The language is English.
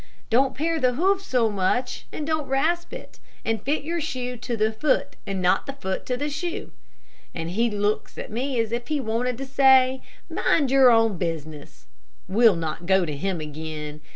'Don't pare the hoof so much, and don't rasp it; and fit your shoe to the foot, and not the foot to the shoe,' and he looks as if he wanted to say, 'Mind your own business.' We'll not go to him again.